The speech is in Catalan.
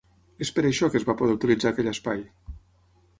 És per això que es va poder utilitzar aquell espai.